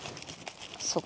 そこ。